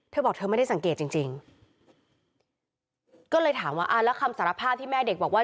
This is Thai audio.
เธอบอกเธอไม่ได้สังเกตจริงจริงก็เลยถามว่าอ่าแล้วคำสารภาพที่แม่เด็กบอกว่า